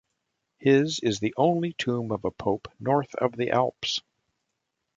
His is the only tomb of a Pope north of the Alps.